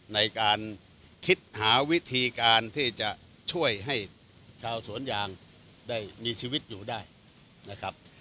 ในการคิดหาวิธีการที่จะช่วยให้ชาวสวนยางได้มีชีวิตอยู่ได้นะครับ